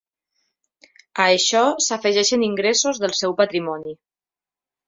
A això s'afegeixen ingressos del seu patrimoni.